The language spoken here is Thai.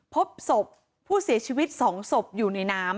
พบศพผู้เสียชีวิต๒ศพอยู่ในน้ำ